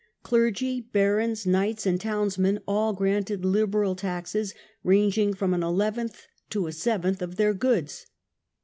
Clergy, barons, knights, and townsmen all granted liberal taxes, ranging from an eleventh to a seventh of their goods.